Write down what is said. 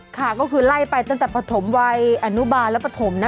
ค่ะก็คือไล่ไปตั้งแต่ปฐมวัยอนุบาลและปฐมนะ